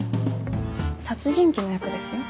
殺人鬼の役ですよ？